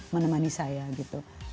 menemani saya gitu